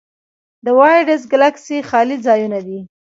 د وایډز ګلکسي خالي ځایونه دي.